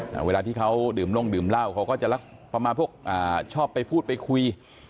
แต่เวลาที่เขาดื่มน่องดื่มเหล้าเขาก็จะลับมาพวกชอบไปพูดไปคุย